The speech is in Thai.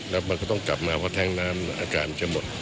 แล้วมันก็ต้องกลับมาเพราะแท้งน้ำอาการจะหมด